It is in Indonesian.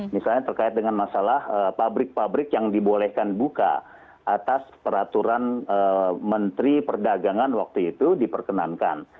misalnya terkait dengan masalah pabrik pabrik yang dibolehkan buka atas peraturan menteri perdagangan waktu itu diperkenankan